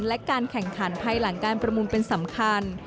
และการแข่งขันภายหลังการประมูลเป็นสำคัญ